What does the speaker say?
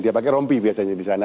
dia pakai rompi biasanya di sana